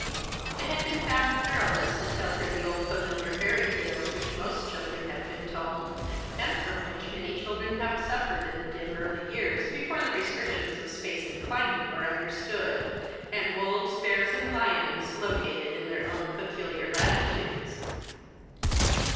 It had been found perilous to tell her the old familiar fairy tales which most children have been told, and from which many children have suffered in the dim early years, before the restrictions of space and climate are understood, and wolves, bears, and lions located in their own peculiar latitudes.